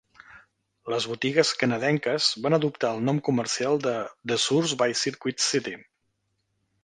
Les botigues canadenques van adoptar el nom comercial de The Source by Circuit City.